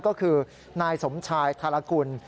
ก็คือนายสมชายธารกุล